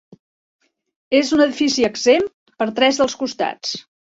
És un edifici exempt per tres dels costats.